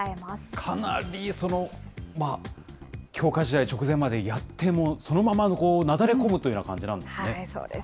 かなり強化試合直前までやって、そのままなだれ込むというよそうです。